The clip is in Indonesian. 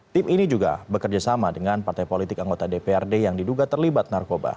tim ini juga bekerjasama dengan partai politik anggota dprd yang diduga terlibat narkoba